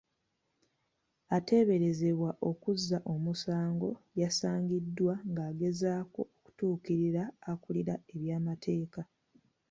Ateeberezebwa okuzza omusango yasangiddwa ng'agezaako okutuukirira akuulira ebyamateeka